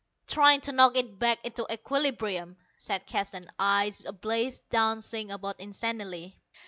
"Trying to knock it back into equilibrium!" said Keston, eyes ablaze, dancing about insanely.